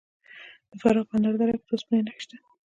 د فراه په انار دره کې د وسپنې نښې شته.